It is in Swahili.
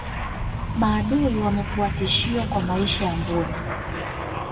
maadui wamekuwa tishio kwa maisha ya mbuni